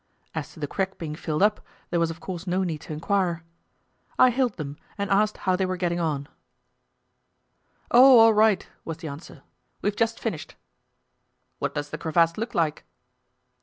As to the crack being filled up, there was of course no need to inquire. I hailed them, and asked how they were getting on. "Oh, all right," was the answer; "we've just finished." "What does the crevasse look like?"